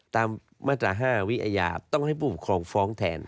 ตามมาตรา๕วิอาญาต้องให้ผู้ปกครองฟ้องแทน